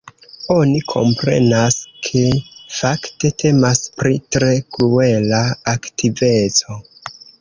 Oni komprenas, ke fakte temas pri tre kruela aktiveco.